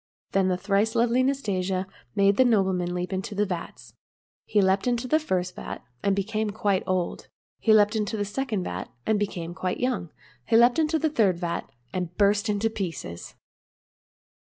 Then the thrice lovely Nastasia made the nobleman leap into the vats. He leaped into the first vat, and became quite old ; he leaped into the second vat, and became quite young ; he leaped into the third vat, and burst to pieces.